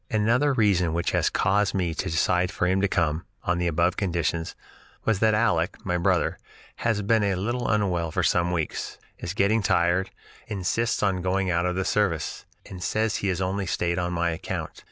"Another reason which has caused me to decide for him to come, on the above conditions, was that Aleck [my brother] has been a little unwell for some weeks, is getting tired, insists on going out of the service, and says he has only stayed on my account.